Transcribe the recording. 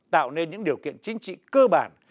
tạo nên những điều kiện chính trị cơ bản